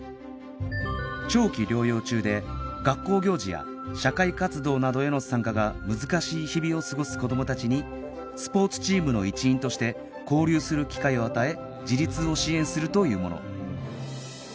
長期療養中で学校行事や社会活動などへの参加が難しい日々を過ごす子どもたちにスポーツチームの一員として交流する機会を与え自立を支援するというもの